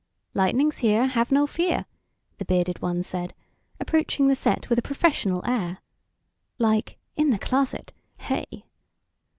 "Lightning's here, have no fear," the bearded one said, approaching the set with a professional air. "Like, in the closet, hey."